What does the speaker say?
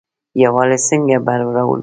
یووالی څنګه بری راوړي؟